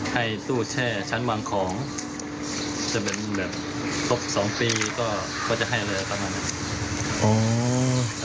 ให้ตู้แช่ชั้นวางของจะเป็นแบบครบ๒ปีก็เขาจะให้เลยประมาณนั้น